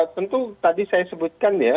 tentu tadi saya sebutkan ya